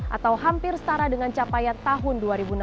atau hampir setara dengan capaian tahun dua ribu enam belas